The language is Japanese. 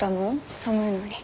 寒いのに。